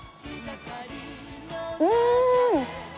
うん！